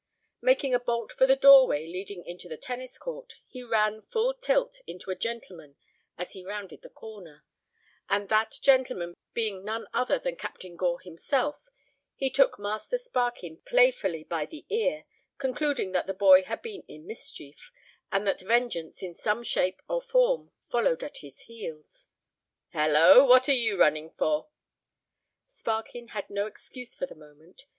Making a bolt for the doorway leading into the tennis court, he ran full tilt into a gentleman as he rounded the corner, and that gentleman being none other than Captain Gore himself, he took Master Sparkin playfully by the ear, concluding that the boy had been in mischief, and that vengeance in some shape or form followed at his heels. "Hallo! what are you running for?" Sparkin had no excuse for the moment.